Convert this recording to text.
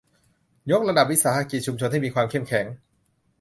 ยกระดับวิสาหกิจชุมชนให้มีความเข้มแข็ง